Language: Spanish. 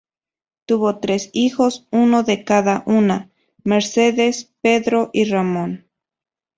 Tuvo tres hijos, uno de cada una: Mercedes, Pedro y Ramón.